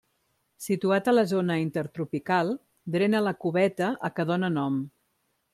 Situat a la zona intertropical, drena la cubeta a què dóna nom.